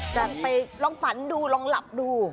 จะไปลองฝันดูลองหลับดู